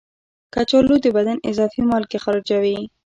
کچالو د بدن اضافي مالګې خارجوي.